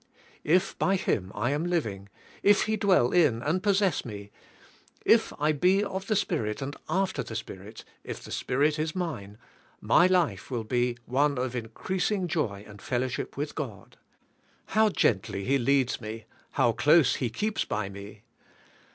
If by Him I am living , if He dwell in and possess me, if I be of the Spirit and after the Spirit, if the Spirit is mine, my life will be one of increasing joy and fellowship with God. How g ently He leads me, how close He keeps by me.